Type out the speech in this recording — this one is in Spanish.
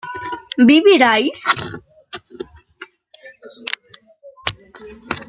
¿viviríais?